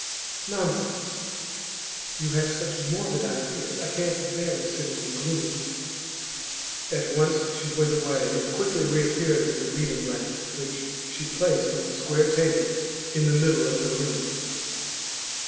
'Nonsense; you have such morbid ideas. I can't bear to sit in the gloom.' At once she went away, and quickly reappeared with a reading lamp, which she placed on the square table in the middle of the room.